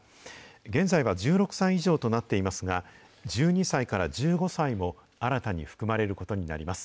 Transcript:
現在は１６歳以上となっていますが、１２歳から１５歳も新たに含まれることになります。